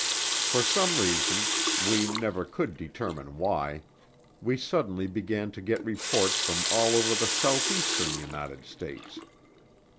For some reason, we never could determine why, we suddenly began to get reports from all over the southeastern United States.